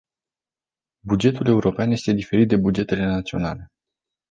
Bugetul european este diferit de bugetele naționale.